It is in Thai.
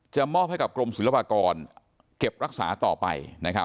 มอบให้กับกรมศิลปากรเก็บรักษาต่อไป